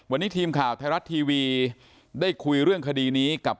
วันนี้ทีมข่าวไทยรัฐทีวีได้คุยเรื่องคดีนี้กับ